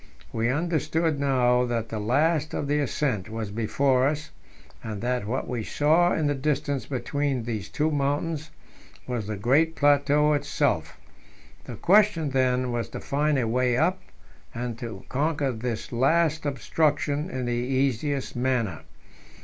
We understood now that the last of the ascent was before us, and that what we saw in the distance between these two mountains was the great plateau itself. The question, then, was to find a way up, and to conquer this last obstruction in the easiest manner.